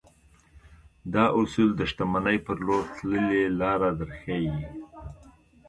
دا اصول د شتمنۍ پر لور تللې لاره درښيي.